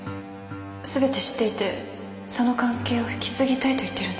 全て知っていてその関係を引き継ぎたいと言ってるんです